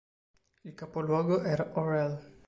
Il capoluogo era Orël.